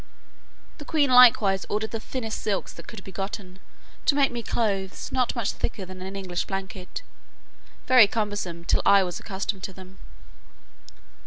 The queen likewise ordered the thinnest silks that could be gotten, to make me clothes, not much thicker than an English blanket, very cumbersome till I was accustomed to them.